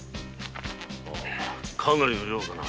かなりの量だな。